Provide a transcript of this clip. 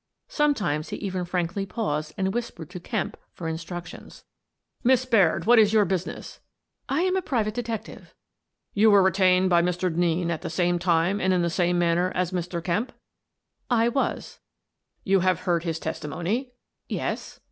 Sometimes he even frankly paused and whispered to Kemp for in structions. The Inquest 175 " Miss Baird, what is your business? " "lama private detective." " You were retained by Mr. Denneen at the same time and in the same manner as Mr. Kemp? "" I was." " You have heard his testimony? "" Yes."